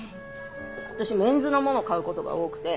私メンズのもの買うことが多くて。